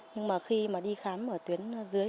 nhưng mà khi mà đi khám ở tuyến dưới